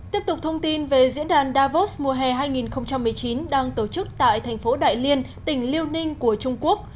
tiếp tục thông tin về diễn đàn davos mùa hè hai nghìn một mươi chín đang tổ chức tại thành phố đại liên tỉnh liêu ninh của trung quốc